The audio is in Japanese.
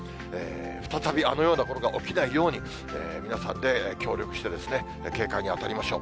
再びあのようなことが起きないように、皆さんで協力して、警戒に当たりましょう。